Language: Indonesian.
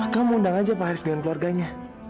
kamu undang aja pak haris dengan keluarganya